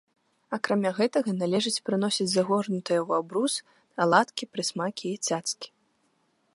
Акрамя гэтага, належыць прыносіць загорнутыя ў абрус аладкі, прысмакі і цацкі.